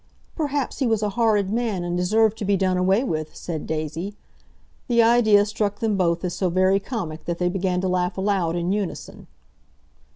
"Perhaps he was a horrid man, and deserved to be done away with," said Daisy. The idea struck them both as so very comic that they began to laugh aloud in unison.